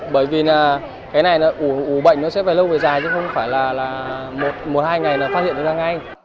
bởi vì cái này ủ bệnh nó sẽ phải lâu và dài chứ không phải là một hai ngày là phát hiện ra ngay